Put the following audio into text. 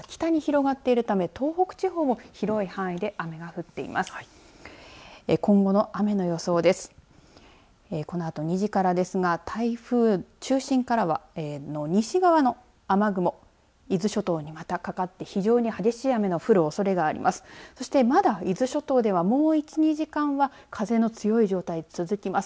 そして、そのほか北に広がっているため東北地方も広い範囲でまだ雨が降っています。